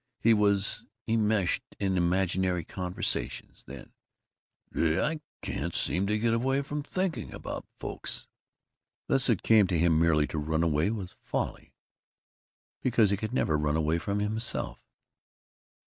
He was enmeshed in imaginary conversations. Then: "Gee, I can't seem to get away from thinking about folks!" Thus it came to him merely to run away was folly, because he could never run away from himself.